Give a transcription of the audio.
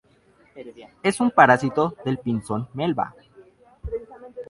Es un parásito del pinzón Melba.